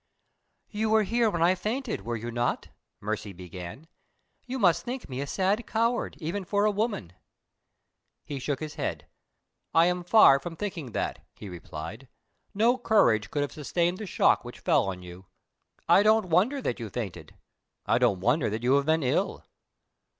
"You were here when I fainted, were you not?" Mercy began. "You must think me a sad coward, even for a woman." He shook his head. "I am far from thinking that," he replied. "No courage could have sustained the shock which fell on you. I don't wonder that you fainted. I don't wonder that you have been ill."